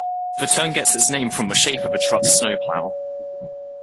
The turn gets its name from the shape of a truck's snowplow.